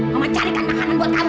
mama carikan makanan buat kamu